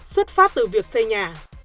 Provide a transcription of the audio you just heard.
xuất phát từ việc xây nhà